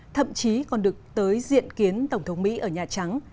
thậm chí còn được tới diện kiến tổng thống mỹ ở nhà trắng